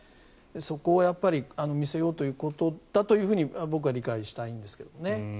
そこを見せようということだと僕は理解したいんですけどね。